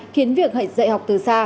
khiến việc dạy học từ xa